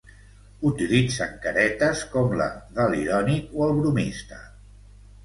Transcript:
Utilitzen caretes com la de l'irònic o el bromista.